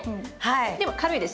でも軽いですよね。